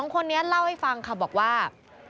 คนนี้เล่าให้ฟังค่ะบอกว่า